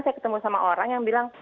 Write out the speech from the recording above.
saya ketemu sama orang yang bilang